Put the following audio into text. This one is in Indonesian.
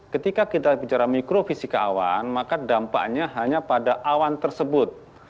ketika kita bicara mikrofisika awan maka dampaknya hanya pada awan tersebut